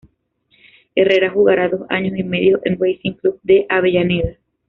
Herrera jugará dos años y medio en Racing Club de Avellaneda.